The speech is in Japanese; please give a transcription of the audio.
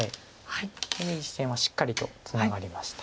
これで実戦はしっかりとツナがりました。